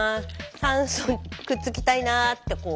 酸素くっつきたいな」ってこう。